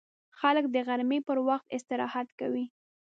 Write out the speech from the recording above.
خلک د غرمې پر وخت استراحت کوي